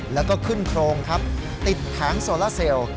แล้วก็ขึ้นโครงครับติดแผงโซล่าเซลล์